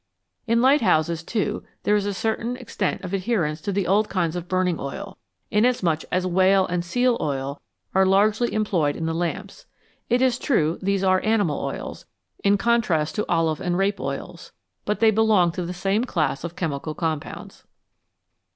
In lighthouses, too, there is a certain extent of adherence to the old kinds of burning oil, inasmuch as whale and seal oil are largely employed in the lamps ; it is true these are animal oils, in contrast to olive and rape oils, but they belong to the same class of chemical compounds.